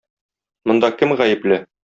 Монда кем гаепле?